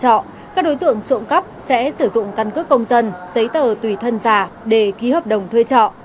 các đối tượng trộm cắp sẽ sử dụng căn cước công dân giấy tờ tùy thân giả để ký hợp đồng thuê trọ